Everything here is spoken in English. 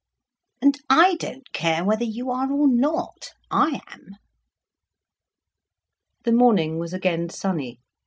"And I don't care whether you are or not—I am." The morning was again sunny.